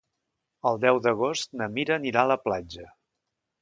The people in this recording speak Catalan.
El deu d'agost na Mira anirà a la platja.